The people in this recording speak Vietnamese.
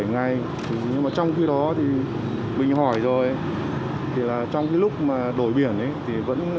bảy ngày nhưng mà trong khi đó thì mình hỏi rồi thì là trong cái lúc mà đổi biển ấy thì vẫn còn nhanh